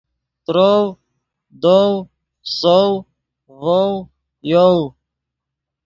ترؤ، دؤ، سؤ، ڤؤ، یؤ